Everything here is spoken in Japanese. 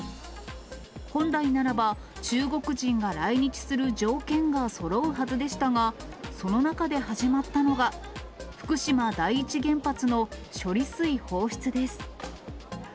本来ならば、中国人が来日する条件がそろうはずでしたが、その中で始まったのが、福島第一原発の処理水放出です。